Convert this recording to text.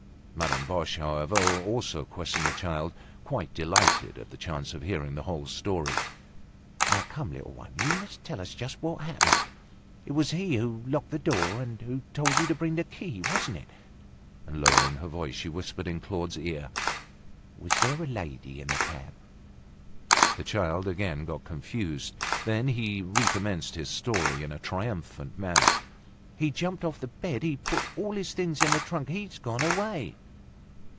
Madame Boche, however, also questioned the child, quite delighted at the chance of hearing the whole story. "Come, little one, you must tell us just what happened. It was he who locked the door and who told you to bring the key, wasn't it?" And, lowering her voice, she whispered in Claude's ear: "Was there a lady in the cab?" The child again got confused. Then he recommenced his story in a triumphant manner: "He jumped off the bed, he put all the things in the trunk. He's gone away."